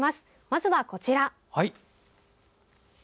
まずは、こちら。